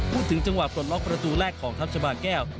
พูดถึงจังหวับตรวจล๊อคประตูแรกของทัพชาบาแก้ว